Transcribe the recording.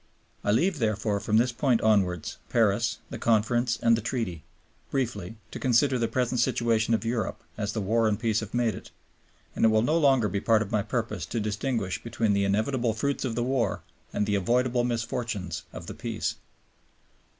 I leave, from this point onwards, Paris, the Conference, and the Treaty, briefly to consider the present situation of Europe, as the War and the Peace have made it; and it will no longer be part of my purpose to distinguish between the inevitable fruits of the War and the avoidable misfortunes of the Peace.